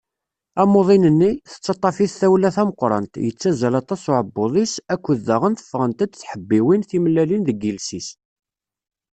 Amuḍin-nni, tettaṭṭaf-it tawla tameqqrant, yettazzal aṭas uɛebbuḍ-is akked daɣen tefɣent-d tḥebbiwin timellalin deg yiles-is.